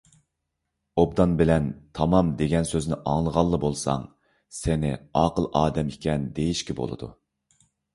«ئوبدان» بىلەن «تامام» دېگەن سۆزلەرنى ئاڭلىغانلا بولساڭ، سېنى ئاقىل ئادەم ئىكەن دېيىشكە بولىدۇ.